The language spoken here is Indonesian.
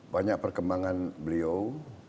banyak perkembangan beliau